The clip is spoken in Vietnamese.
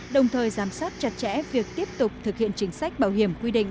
đồng thời giám sát chặt chẽ việc tiếp tục thực hiện chính sách bảo hiểm quy định